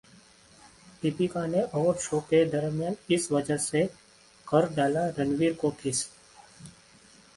दीपिका ने award show के दौरान इस वजह से कर डाला रणवीर को किस